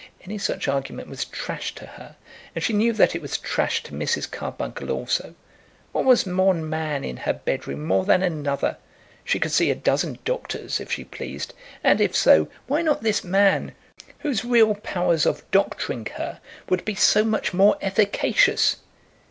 Any such argument was trash to her, and she knew that it was trash to Mrs. Carbuncle also. What was one man in her bedroom more than another? She could see a dozen doctors if she pleased, and if so, why not this man, whose real powers of doctoring her would be so much more efficacious?